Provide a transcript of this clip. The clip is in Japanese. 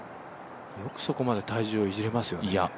よくそこまで体重をいじれますよね。